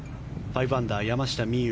５アンダー、山下美夢